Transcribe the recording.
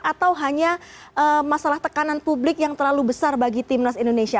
atau hanya masalah tekanan publik yang terlalu besar bagi timnas indonesia